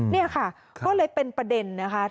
นี่ค่ะก็เลยเป็นประเด็นนะคะ